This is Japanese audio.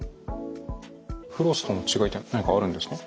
フロスとの違いっていうのは何かあるんですか？